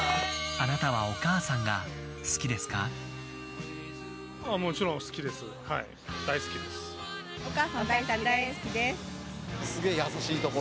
あなたはお母さんが好きですか？